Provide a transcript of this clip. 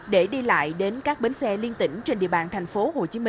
để đi lại đến các bến xe liên tỉnh trên địa bàn tp hcm